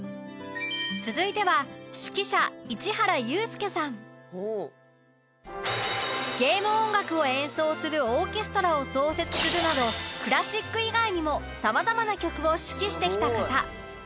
続いてはゲーム音楽を演奏するオーケストラを創設するなどクラシック以外にも様々な曲を指揮してきた方